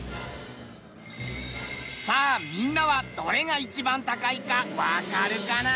さあみんなはどれが一番高いかわかるかな？